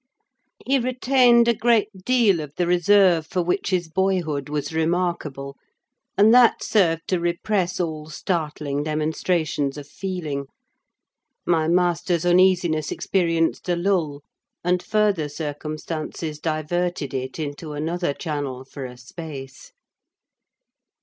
He retained a great deal of the reserve for which his boyhood was remarkable; and that served to repress all startling demonstrations of feeling. My master's uneasiness experienced a lull, and further circumstances diverted it into another channel for a space.